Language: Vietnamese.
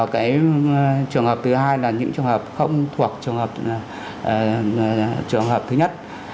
cái trường hợp thứ hai là những trường hợp không thuộc trường hợp thứ nhất